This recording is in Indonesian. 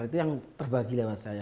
itu yang terbagi lewat saya